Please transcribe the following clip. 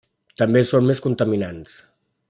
També són més contaminants.